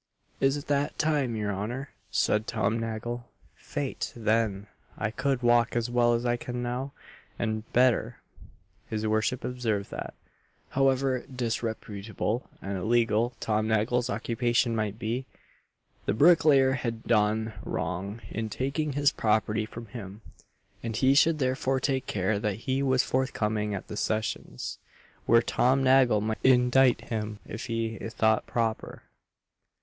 "Is it that time, your honour?" said Tom Nagle: "Fait, then, I could walk as well as I can now and better." His worship observed that, however disreputable and illegal Tom Nagle's occupation might be, the bricklayer had done wrong in taking his property from him, and he should therefore take care that he was forthcoming at the Sessions, where Tom Nagle might indict him if he thought proper.